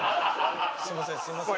すいませんすいません。